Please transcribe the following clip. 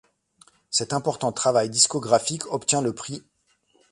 Cet important travail discographique obtint le prix '.